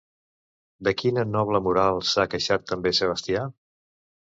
De quina doble moral s'ha queixat també Sebastià?